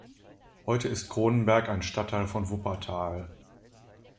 Heute ist Cronenberg ein Stadtteil von Wuppertal.